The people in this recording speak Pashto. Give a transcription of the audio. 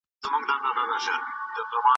ټولنیز علوم د ژوند هنر دی.